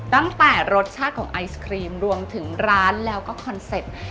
ตั้งแต่รสชาติของไอศครีมรวมถึงร้านแล้วก็คอนเซ็ปต์